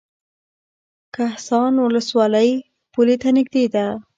کهسان ولسوالۍ پولې ته نږدې ده؟